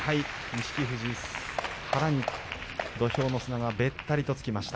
錦富士、腹に土俵の砂がべったりとつきました。